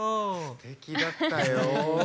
すてきだったよ。